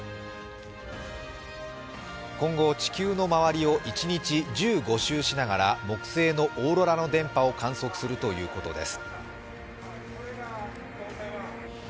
今後地球の周りを一日１５周しながら、木星のオーロラの電波を観測するということです。